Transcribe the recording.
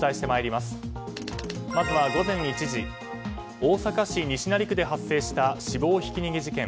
まずは午前１時大阪市西成区で発生した死亡ひき逃げ事件。